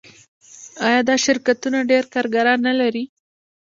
آیا دا شرکتونه ډیر کارګران نلري؟